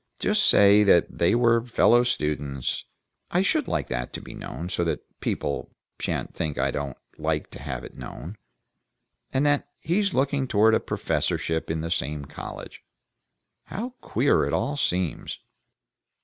Just say that they were fellow students I should like that to be known, so that people sha'n't think I don't like to have it known and that he's looking forward to a professorship in the same college How queer it all seems!"